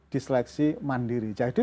diseleksi mandiri jadi